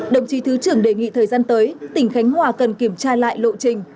đồng chí thứ trưởng đề nghị thời gian tới tỉnh khánh hòa cần kiểm tra lại lộ trình